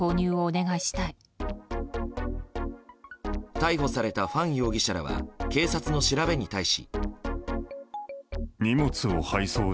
逮捕されたファン容疑者らは警察の調べに対し。